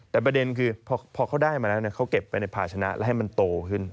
แต่ประเด็นคือพอเขาได้มาแล้วเขาเก็บไปในภาชนะแล้วให้มันโตขึ้น